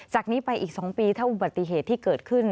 จากนี้ไปอีก๒ปีถ้าอุบัติเหตุที่เกิดขึ้น